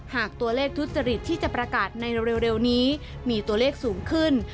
หากตัวเลขทุจริตที่จะประกาศในเร็วนี้มีตัวเลขสูงขึ้น